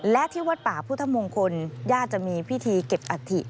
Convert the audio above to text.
และที่วัดป่าพุทธมงคลญาติจะมีพิธีเก็บอัฐิ